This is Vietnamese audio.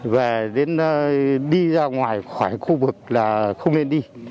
về đến đi ra ngoài khỏi khu vực là không nên đi